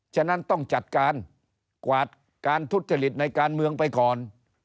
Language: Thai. ฉะนั้นต้องจัดการกวาดการทุจริตในการเมืองไปก่อน